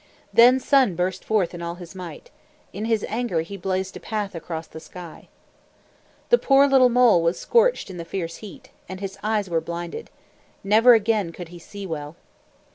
Then Sun burst forth in all his might. In his anger he blazed a path across the sky. The poor little mole was scorched in the fierce heat, and his eyes were blinded. Never again could he see well.